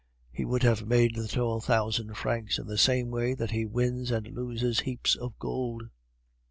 He would have made the twelve thousand francs in the same way that he wins and loses heaps of gold."